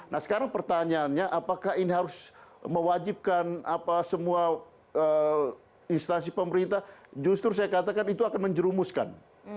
nah sekarang pertanyaannya apakah ini harus mewajibkan semua instansi pemerintah justru saya katakan itu akan menjerumuskan